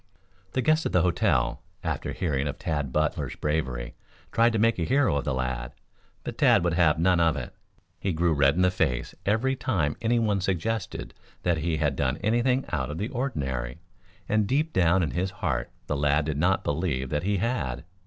The guests at the hotel, after hearing of Tad Butler's bravery, tried to make a hero of the lad, but Tad would have none of it. He grew red in the face every time anyone suggested that he had done anything out of the ordinary. And deep down in his heart the lad did not believe that he had.